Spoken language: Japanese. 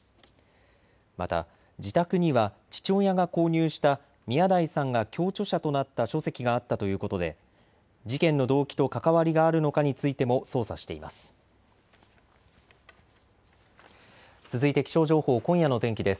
また自宅には父親が購入した宮台さんが共著者となった書籍があったということで事件の動機と関わりがあるのかについても捜査しています。